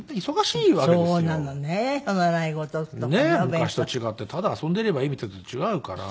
昔と違ってただ遊んでいればいいみたいなのと違うから。